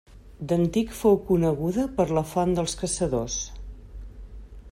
D'antic fou coneguda per la font dels Caçadors.